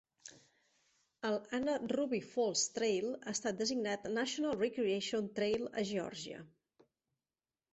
El Anna Ruby Falls Trail ha estat designat National Recreation Trail a Geòrgia.